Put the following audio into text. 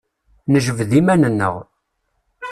Nejbed iman-nneɣ.